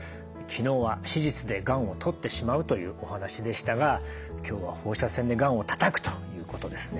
昨日は手術でがんを取ってしまうというお話でしたが今日は放射線でがんをたたくということですね。